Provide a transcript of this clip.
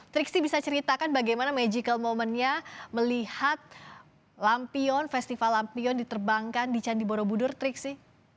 triksi bisa ceritakan bagaimana magical momentnya melihat lampion festival lampion diterbangkan di candi borobudur triksi